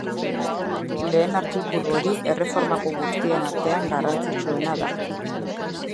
Lehen artikulu hori erreformako guztien artean garrantzitsuena da.